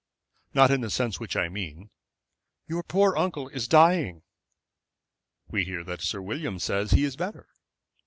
"Not in the sense in which I mean. Your poor uncle is dying." "We hear that Sir William says he is better."